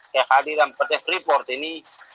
kehadiran seperti freeport ini